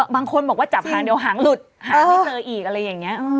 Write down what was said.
บางคนบอกว่าจับหางเดี๋ยวหางหลุดหางไม่เจออีกอะไรอย่างนี้